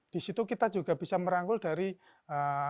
disitu kita juga bisa merangkul dari teman teman komunitas lainnya